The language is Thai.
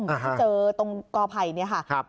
ที่เจอตรงกอภัยนี้ค่ะ